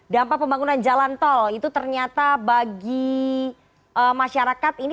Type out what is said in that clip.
dampak pembangunan jalan tol itu ternyata bagi masyarakat ini